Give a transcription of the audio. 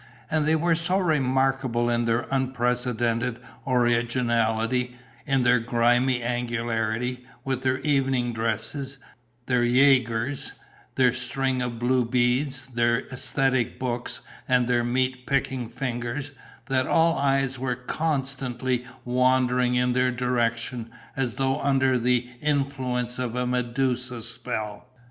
And they were so remarkable in their unprecedented originality, in their grimy angularity, with their evening dresses, their Jaegers, their strings of blue beads, their æsthetic books and their meat picking fingers, that all eyes were constantly wandering in their direction, as though under the influence of a Medusa spell.